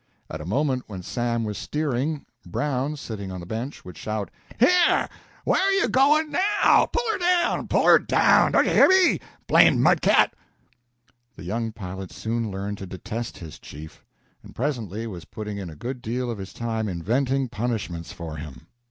At a moment when Sam was steering, Brown, sitting on the bench, would shout: "Here! Where are you going now? Pull her down! Pull her down! Do you hear me? Blamed mud cat!" The young pilot soon learned to detest his chief, and presently was putting in a good deal of his time inventing punishments for him.